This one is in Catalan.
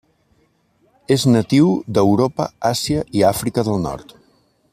És natiu d’Europa, Àsia i Àfrica del Nord.